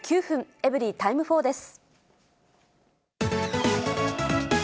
エブリィタイム４です。